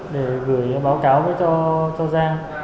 rồi gửi báo cáo cho giang